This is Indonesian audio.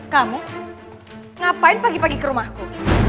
kamu ngapain pagi pagi ke rumahku